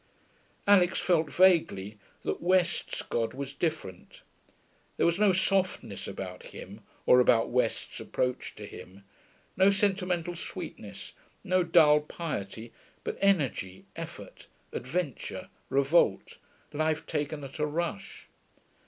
Alix felt, vaguely, that West's God was different. There was no softness about Him, or about West's approach to Him; no sentimental sweetness, no dull piety, but energy, effort, adventure, revolt, life taken at a rush.